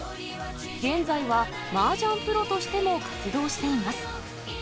現在はマージャンプロとしても活動しています。